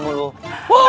manasin orang aja